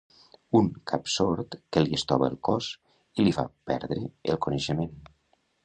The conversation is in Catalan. Un cap sord que li estova el cos i li fa perdre el coneixement.